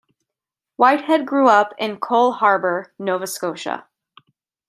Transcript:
Whitehead grew up in Cole Harbour, Nova Scotia.